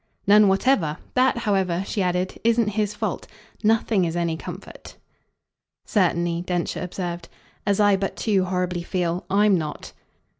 "None whatever. That, however," she added, "isn't his fault. Nothing's any comfort." "Certainly," Densher observed, "as I but too horribly feel, I'M not."